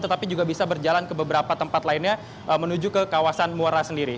tetapi juga bisa berjalan ke beberapa tempat lainnya menuju ke kawasan muara sendiri